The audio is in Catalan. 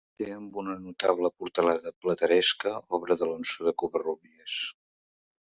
Té amb una notable portalada plateresca, obra d'Alonso de Covarrubias.